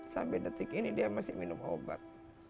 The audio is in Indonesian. sampai detik ini dia masih minum obat